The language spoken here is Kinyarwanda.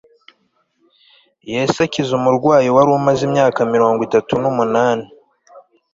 yesu akiza umurwayi wari umaze imyaka mirongo itatu n'umunani